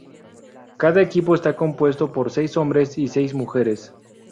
Cada equipo está compuesto por seis hombres y seis mujeres.